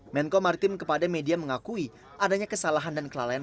menko maritim kepada media mengakui adanya kesalahan dan kelalaian